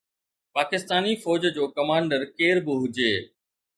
پاڪستاني فوج جو ڪمانڊر ڪير به هجي.